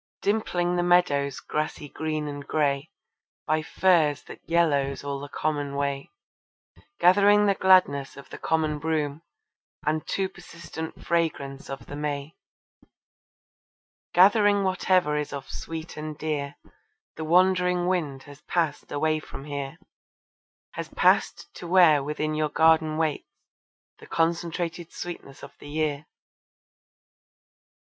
Dimpling the meadow's grassy green and grey, By furze that yellows all the common way, Gathering the gladness of the common broom, And too persistent fragrance of the may Gathering whatever is of sweet and dear, The wandering wind has passed away from here, Has passed to where within your garden waits The concentrated sweetness of the year.